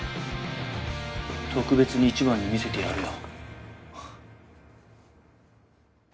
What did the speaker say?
特別に一番に見せてやるよ。